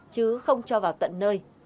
chứ không cho vào tận nơi